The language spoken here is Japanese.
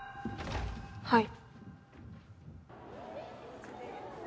はい。